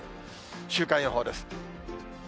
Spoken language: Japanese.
週間予報です。